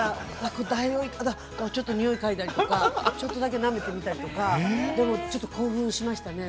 ちょっとにおいを嗅いだりとかちょっとだけ、なめてみたりとかちょっと興奮しましたね。